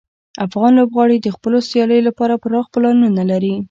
افغان لوبغاړي د خپلو سیالیو لپاره پراخ پلانونه لري.